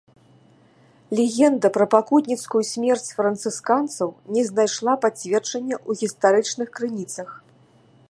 Легенда пра пакутніцкую смерць францысканцаў не знайшла пацверджання ў гістарычных крыніцах.